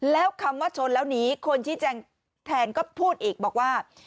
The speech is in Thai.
แล้วคำว่าชนแล้วหนีคนชี้แจงแทนก็พูดอีกบอกว่า